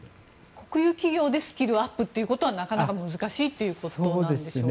国有企業でスキルアップというのはなかなか難しいということでしょうか。